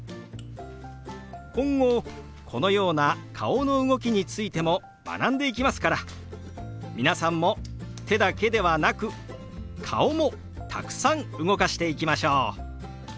今後このような顔の動きについても学んでいきますから皆さんも手だけではなく顔もたくさん動かしていきましょう。